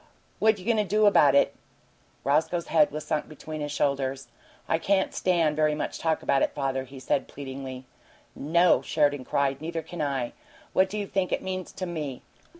"What you goin' to do about it?" Roscoe's head was sunk between his shoulders. "I can't stand very much talk about it, father," he said, pleadingly. "No!" Sheridan cried. "Neither can I! What do you think it means to ME?"